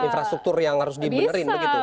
infrastruktur yang harus dibenerin begitu